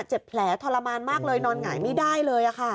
เจ็บแผลทรมานมากเลยนอนหงายไม่ได้เลย